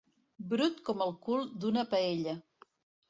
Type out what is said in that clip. Brut com el cul d'una paella.